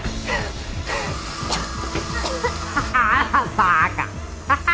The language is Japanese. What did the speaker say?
ハハーハ！